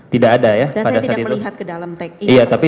tidak ada ya pada saat itu